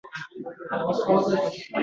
Kuchga bog‘langan rishtalarni uzgan edi.